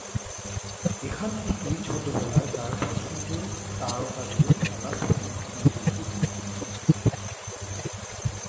এখান থেকেই ছোটবেলায় তার পছন্দের তারকাদের খেলা প্রশিক্ষন নিতে দেখতেন।